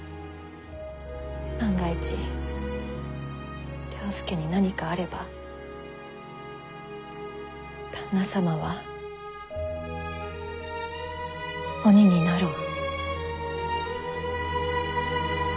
万が一了助に何かあれば旦那様は鬼になろう。